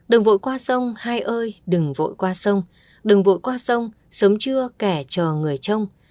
đừng vội qua sông hai ơi đừng vội qua sông đừng vội qua sông sớm trưa kẻ chờ người trông